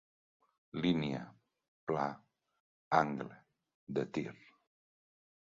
Línia, pla, angle, de tir.